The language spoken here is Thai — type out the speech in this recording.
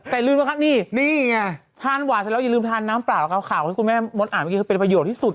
แต่ลืมว่าถ้าน้ำหวานเสร็จแล้วอย่าลืมทานน้ำเปล่าข่าวจากคุณแม่บนอ่านวันนี้เป็นประโยชน์ที่สุด